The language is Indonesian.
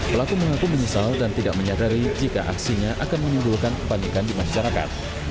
pelaku mengaku menyesal dan tidak menyadari jika aksinya akan menimbulkan kepanikan di masyarakat